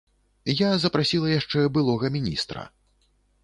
Я запрасіла яшчэ былога міністра.